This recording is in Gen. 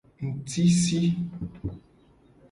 Ngtisi.